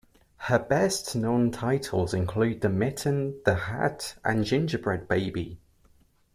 Her best-known titles include "The Mitten", "The Hat", and "Gingerbread Baby".